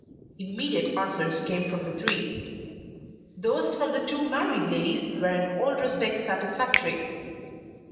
Immediate answers came from the three. Those from the two married ladies were in all respects satisfactory.